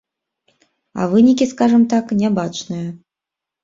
А вынікі, скажам так, нябачныя.